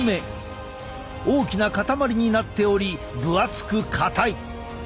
大きなかたまりになっており分厚く硬い。